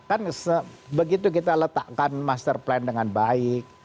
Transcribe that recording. kan begitu kita letakkan master plan dengan baik